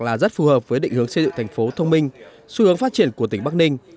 là rất phù hợp với định hướng xây dựng thành phố thông minh xu hướng phát triển của tỉnh bắc ninh